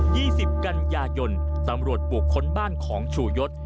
ยี่สิบกันยายนต์ตำรวจปลูกค้นบ้านของชูยศ